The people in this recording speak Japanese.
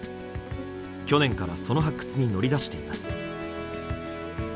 去年からその発掘に乗り出しています。